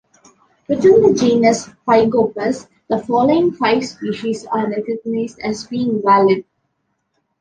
Within the genus "Pygopus" the following five species are recognized as being valid.